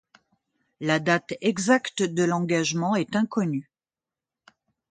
La date exacte de l'engagement est inconnu.